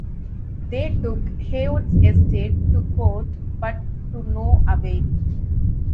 They took Haywood's estate to court, but to no avail.